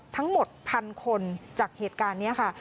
ทั้งหมดพันคนจากเหตุการณ์นี้ค่ะ